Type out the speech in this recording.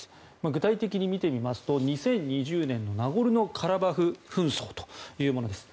具体的に見てみますと２０２０年のナゴルノカラバフ紛争というものです。